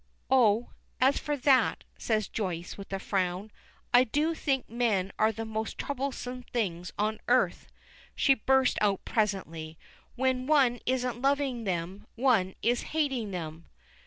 "Oh, as for that," says Joyce, with a frown, "I do think men are the most troublesome things on earth." She burst out presently. "When one isn't loving them, one is hating them."